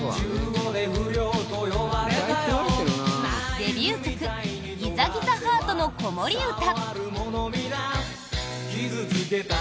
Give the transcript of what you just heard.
デビュー曲「ギザギザハートの子守唄」。